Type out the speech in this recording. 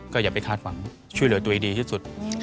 ก็อย่าไปทาสหวังช่วยเรียกตัวให้ดีที่สุด